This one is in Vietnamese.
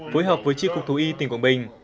phối hợp với tri cục thú y tỉnh quảng bình